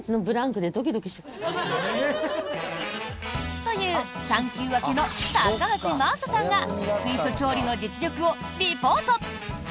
という産休明けの高橋真麻さんが水素調理の実力をリポート！